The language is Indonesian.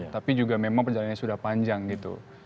tapi juga memang perjalanannya sudah panjang gitu